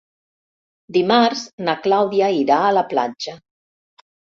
Dimarts na Clàudia irà a la platja.